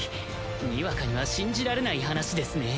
にわかには信じられない話ですね。